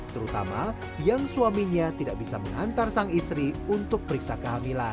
terutama yang suaminya tidak bisa mengantar sang istri untuk periksa kehamilan